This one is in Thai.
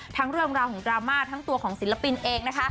เรื่องราวของดราม่าทั้งตัวของศิลปินเองนะคะ